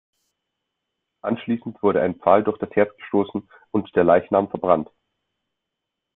Anschließend wurde ein Pfahl durch das Herz gestoßen und der Leichnam verbrannt.